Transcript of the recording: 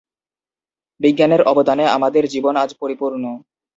বিজ্ঞানের অবদানে আমাদের জীবন আজ পরিপূর্ণ।